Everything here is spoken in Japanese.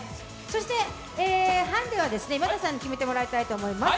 ハンデは今田さんに決めてもらいたいと思います。